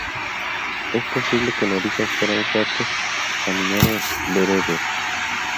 Es posible que en origen fuera un fuerte caminero bereber.